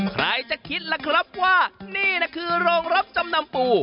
ใครจะคิดล่ะครับว่านี่นะคือโรงรับจำนำปู